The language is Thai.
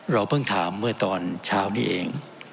เพิ่งถามเมื่อตอนเช้านี้เอง